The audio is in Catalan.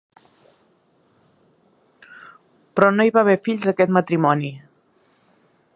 Però no hi va haver fills d'aquest matrimoni.